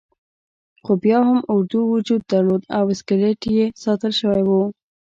خو بیا هم اردو وجود درلود او اسکلیت یې ساتل شوی وو.